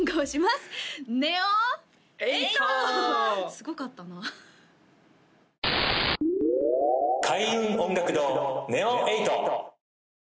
すごかったな開運音楽堂ＮＥＯ８